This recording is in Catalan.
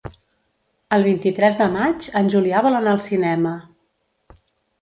El vint-i-tres de maig en Julià vol anar al cinema.